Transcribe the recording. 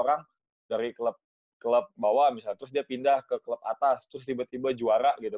orang dari klub bawah misalnya terus dia pindah ke klub atas terus tiba tiba juara gitu